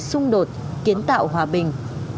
để xung đột kiến tạo hòa bình